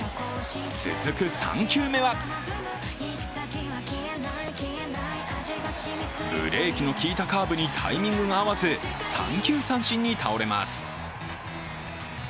続く３球目はブレーキの利いたカーブにタイミングが合わず三球三振に倒れます。